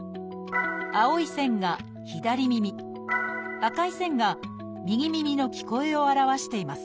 青い線が左耳赤い線が右耳の聞こえを表しています。